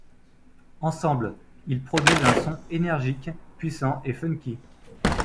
Ensemble, ils produisent un son énergique, puissant et funky.